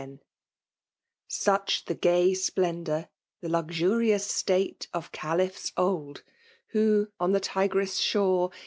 * Stich the gay BpleAdour, the luxurious tfate Of Caliphi old, who, on fhe Tigrii' ihoie.